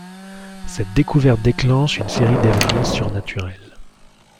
Cette découverte déclenche une série d'événements surnaturels.